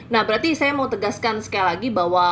nah berarti saya mau tegaskan sekali lagi bahwa